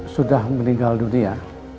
sudah meninggal dunia